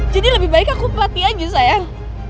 jadi lebih baik aku pelati aja sayang